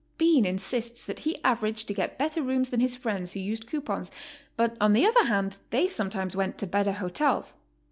Bean insists that he averaged to get better rooms than his friends who used coupons, but on the other hand they sometimes went to better hotels.